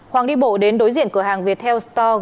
hoàng đi bộ đến đối diện cửa hàng viettel store